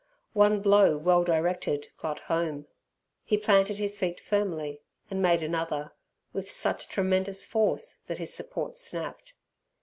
One blow well directed got home. He planted his feet firmly, and made another with such tremendous force that his support snapped.